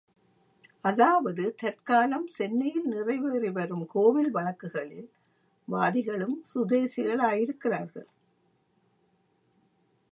அதாவது தற்காலம் சென்னையில் நிறைவேறி வரும் கோவில் வழக்குகளில் வாதிகளும் சுதேசிகளாயிருக்கிறார்கள்.